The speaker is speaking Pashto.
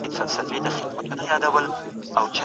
دغسي دوستي هیڅکله ښې پایلي نه لري.